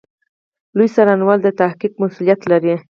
لوی څارنوالي د تحقیق مسوولیت لري